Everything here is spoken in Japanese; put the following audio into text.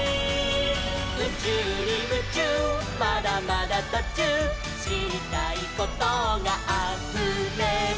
「うちゅうにムチューまだまだとちゅう」「しりたいことがあふれる」